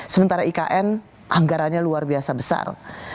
sementara ikn anggarannya luar biasa besar